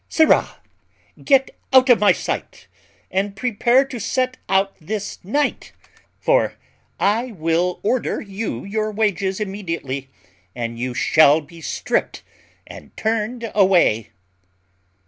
Sirrah! get out of my sight, and prepare to set out this night; for I will order you your wages immediately, and you shall be stripped and turned away."